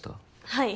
はい。